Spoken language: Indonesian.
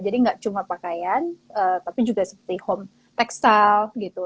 jadi nggak cuma pakaian tapi juga seperti home textile gitu